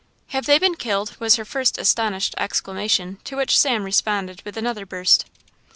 "Have they been killed!" was her first astonished exclamation, to which Sam responded with another burst.